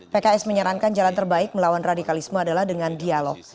pks menyarankan jalan terbaik melawan radikalisme adalah dengan dialog